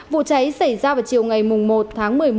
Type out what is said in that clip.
vụ cháy xảy ra vào chiều ngày một tháng một mươi một